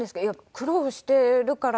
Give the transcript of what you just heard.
苦労してるから？